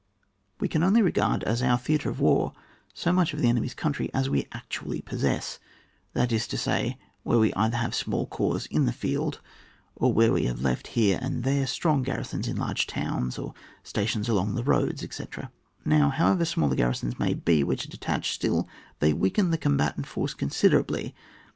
We can only regard as our theatre of war, so much of the enemy^s country as we actually possess ; that is to say, where we either have small corps in the field, or where we have left here and there strong garris(ms in largo towns, or sta tions along the roads, etc ; now, how ever small the garrisons may be which are detached, still they weaken the com batant force considerably.